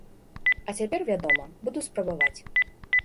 А цяпер, вядома, буду спрабаваць.